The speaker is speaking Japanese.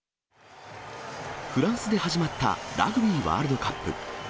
フランスで始まったラグビーワールドカップ。